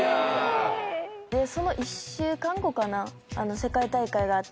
でその１週間後かな世界大会があって。